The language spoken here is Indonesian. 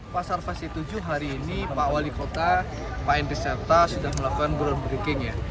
pasar fase ketujuh hari ini pak wali kota pak hendry septa sudah melakukan non breaking ya